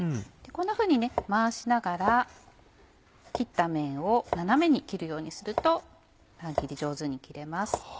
こんなふうに回しながら切った面を斜めに切るようにすると乱切り上手に切れます。